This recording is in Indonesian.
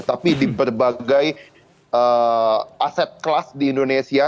tapi di berbagai aset kelas di indonesia